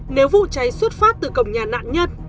nếu vụ cháy xuất phát từ cổng nhà nạn nhân